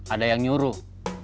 ada yang nyuruh